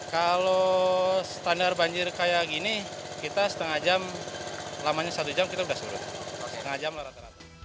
kalau standar banjir kayak gini kita setengah jam lamanya satu jam kita sudah surut